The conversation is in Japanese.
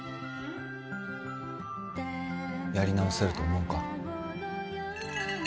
やり直せると思うか？